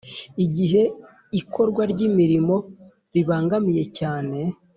Igihe ikorwa ry'imirimo ribangamiye cyane